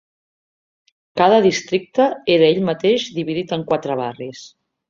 Cada districte era ell mateix dividit en quatre barris.